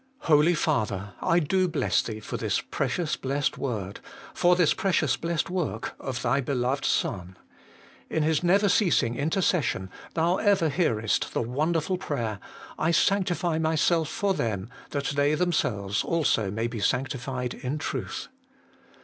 Holy Father ! I do bless Thee for this precious blessed word, for this precious blessed work of Thy beloved Son. In His never ceasing intercession Thou ever hearest the wonderful prayer, ' I sanctify myself for them, that they themselves also may be sanctified in truth.'